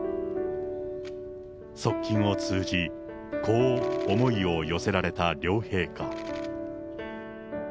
側近を通じ、こう思いを寄せられた両陛下。